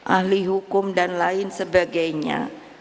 ahli hukum dan lain sebagainya